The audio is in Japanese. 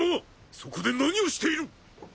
そこで何をしている！？